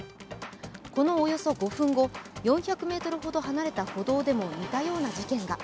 このおよそ５分後、４００ｍほど離れた歩道でも似たような事件が。